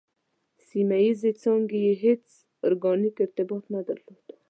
سیمه ییزې څانګې یې هېڅ ارګانیک ارتباط نه درلود.